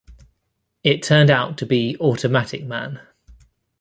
It turned out to be "Automatic Man".